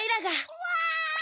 ・うわ！